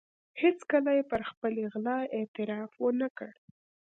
هېڅکله پر خپلې غلا اعتراف و نه کړ.